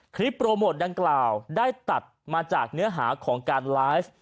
โปรโมทดังกล่าวได้ตัดมาจากเนื้อหาของการไลฟ์